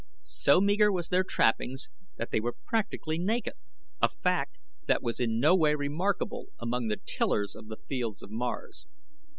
So meager were their trappings that they were practically naked; a fact that was in no way remarkable among the tillers of the fields of Mars.